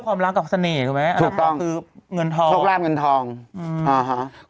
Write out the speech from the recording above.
ความรักกับเสน่ห์ถูกไหมอ่าถูกต้องคือเงินทองโชคลาบเงินทองอืมอ่าฮะ